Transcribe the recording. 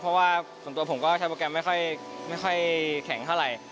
เพราะว่าส่วนตัวผมก็ใช้โปรแกรมไม่ค่อยแข็งเท่าไหร่